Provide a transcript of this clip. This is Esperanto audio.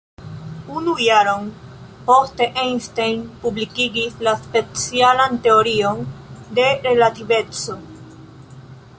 Unu jaron poste Einstein publikigis la specialan teorion de relativeco.